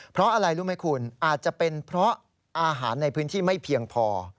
เพราะอะไรรู้ไหมคุณอาจจะเป็นเพราะอาหารในพื้นที่ไม่เพียงพอ